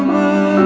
rena belum mandi